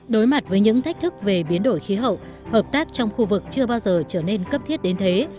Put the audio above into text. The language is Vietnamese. đối mặt với những thách thức về biến đổi khí hậu hợp tác trong khu vực chưa bao giờ trở nên cấp thiết đến thế